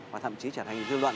và thậm chí trở thành dư luận